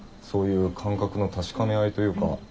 そういう感覚の確かめ合いというか。